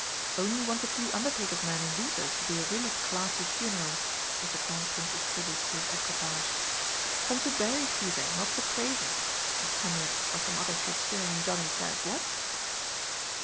"Only wants a few undertaker's men in weepers to be a really classy funeral!" was the Crown Prince's tribute to this equipage. "'Come to bury Cæsar, not to praise him,' as Hamlet or some other Shakespearian Johnny says, what?"